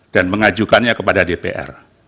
dan mengajukannya kepada dpr